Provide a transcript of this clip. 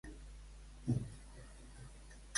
Posa el film "Un amor a Escòcia".